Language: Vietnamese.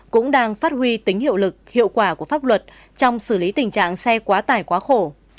cũng đang phát huy tính hiệu lực hiệu quả của pháp luật trong xử lý tình trạng xe quá tải quá khổ